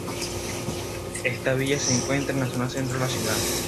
Esta villa se encuentra en la Zona centro de la ciudad.